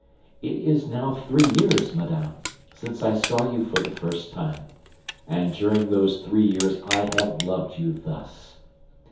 It is now three years, madame, since I saw you for the first time, and during those three years I have loved you thus.